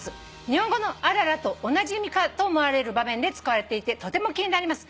「日本語の『あらら』と同じ意味かと思われる場面で使われていてとても気になります。